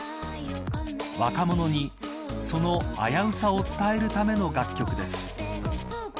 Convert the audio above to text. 若者に、その危うさを伝えるための楽曲です。